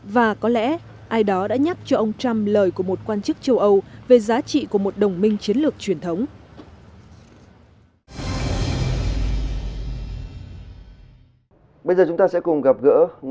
và có lẽ ai đó đã nhắc cho ông trump lời của một quan chức châu âu về giá trị của một đồng minh chiến lược truyền thống